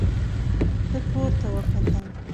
ده پورته وکتل.